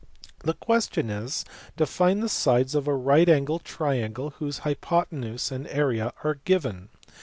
The question is to find the sides of a right angled triangle whose hypothenuse and area are given.